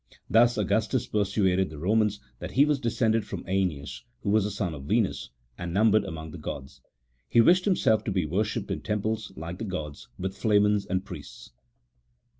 Thus Augustus persuaded the Romans that he was descended from iEneas, who was the son of Venus, and numbered among the gods. " He wished himself to be worshipped in temples, like the gods, with flamens and priests."